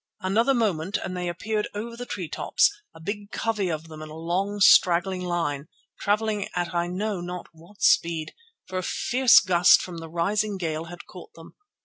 Another moment and they appeared over the tree tops, a big covey of them in a long, straggling line, travelling at I know not what speed, for a fierce gust from the rising gale had caught them.